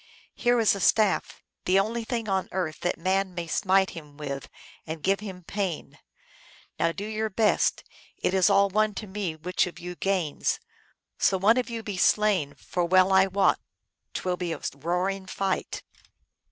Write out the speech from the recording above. Here is a staff, the only thing on earth that man may smite him with and give him pain. Now, do your best ; it is all one to me which of you gains, so one of you be slain, for well I wot t will be a roaring fight."